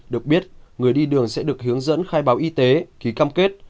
được biết người đi đường sẽ được hướng dẫn khai báo y tế ký cam kết